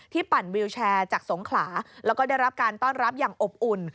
ปั่นวิวแชร์จากสงขลาแล้วก็ได้รับการต้อนรับอย่างอบอุ่น